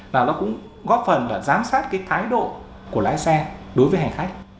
và nó cũng góp phần là giám sát cái thái độ của lái xe đối với hành khách